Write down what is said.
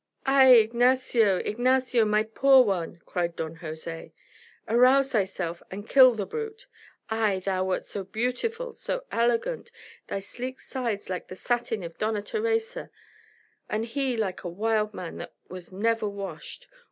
"Ay, Ignacio, Ignacio, my poor one!" cried Don Jose. "Arouse thyself and kill the brute. Ay! thou wert so beautiful, so elegant, thy sleek sides like the satin of Dona Theresa and he like a wild man that has never washed.